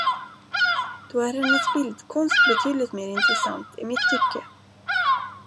Då är hennes bildkonst betydligt mer intressant, i mitt tycke.